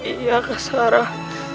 iya kak sarah